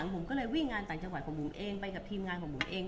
ผมก็เลยวิ่งงานต่างจังหวัดของบุ๋มเองไปกับทีมงานของบุ๋มเอง